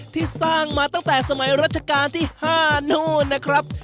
ที่สร้างมาตั้งแต่สมัยรัชกาลที่๕นู่นนะครับ